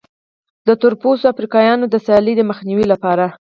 د تور پوستو افریقایانو د سیالۍ د مخنیوي لپاره.